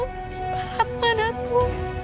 menimpa ratna datu